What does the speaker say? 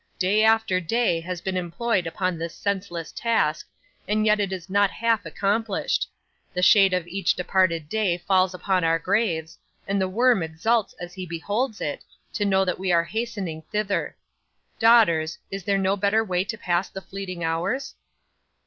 Day after day has been employed upon this senseless task, and yet it is not half accomplished. The shade of each departed day falls upon our graves, and the worm exults as he beholds it, to know that we are hastening thither. Daughters, is there no better way to pass the fleeting hours?"